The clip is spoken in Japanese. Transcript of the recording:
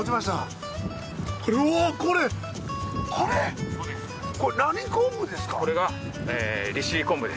これこれ何昆布ですか？